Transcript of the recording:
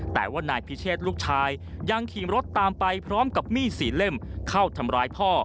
แต่ว่านายพิเชษลูกชายยังขี่รถตามไปพร้อมกับมีดสี่เล่มเข้าทำร้ายพ่อ